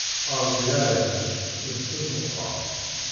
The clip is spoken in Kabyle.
Ṛebbi ɛziz, lebṣel meqqer.